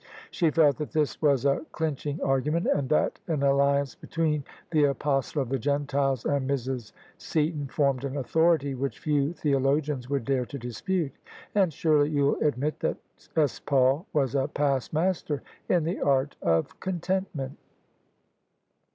She felt that this was a clinching argument and that an alliance between the Apos tle of the Gentiles and Mrs. Seaton formed an authority which few theologians would dare to dispute. " And surely you'll admit that S. Paul was a past master in the art of contentment?"